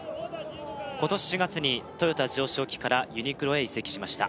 今年４月に豊田自動織機からユニクロへ移籍しました